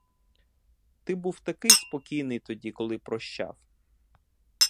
Ти був такий спокійний тоді, коли прощав.